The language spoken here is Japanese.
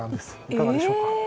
いかがでしょうか。